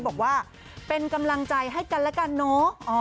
บอกว่าเป็นกำลังใจให้กันแล้วกันเนอะ